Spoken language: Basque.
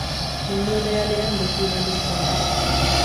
Mundu errealean beti galdu izan naiz.